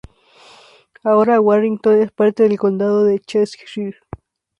Ahora, Warrington es parte del condado del Cheshire.